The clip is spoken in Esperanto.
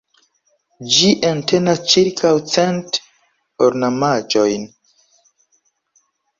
Ĝi entenas ĉirkaŭ cent ornamaĵojn.